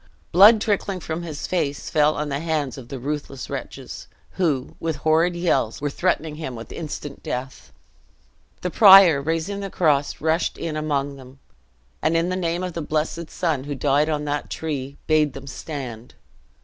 Blood trickling from his face fell on the hands of the ruthless wretches, who, with horrid yells, were threatening him with instant death. The prior, raising the cross, rushed in among them, and, in the name of the blessed Son who died on that tree, bade them stand!